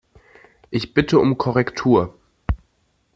Ich bitte um Korrektur.